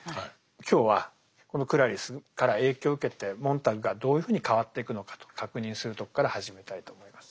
今日はこのクラリスから影響を受けてモンターグがどういうふうに変わっていくのかと確認するとこから始めたいと思います。